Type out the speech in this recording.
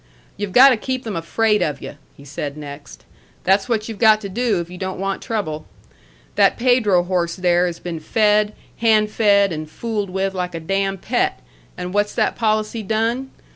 "You've got to keep them afraid of you," he said next; "that's what you've got to do if you don't want trouble. That Pedro horse there has been fed, hand fed, and fooled with like a damn pet, and what's that policy done?